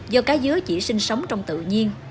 do cá dứa chỉ sinh sống trong tự nhiên